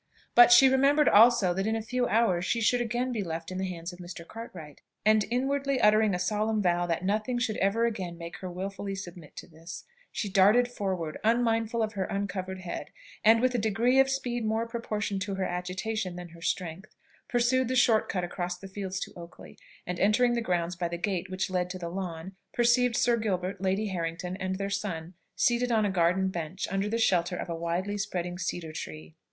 But she remembered also that in a few hours she should again be left in the hands of Mr. Cartwright, and, inwardly uttering a solemn vow that nothing should ever again make her wilfully submit to this, she darted forward, unmindful of her uncovered head, and, with a degree of speed more proportioned to her agitation than her strength, pursued the short cut across the fields to Oakley, and entering the grounds by the gate which led to the lawn, perceived Sir Gilbert, Lady Harrington, and their son, seated on a garden bench, under the shelter of a widely spreading cedar tree.